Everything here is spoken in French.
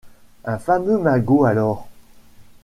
Un fameux magot, alors!